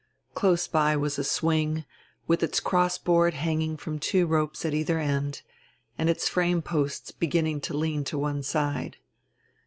Close by was a swing, with its crossboard hanging from two ropes at eidier end, and its frame posts beginning to lean to one side.